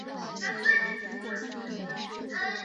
它的总部位于墨西哥城。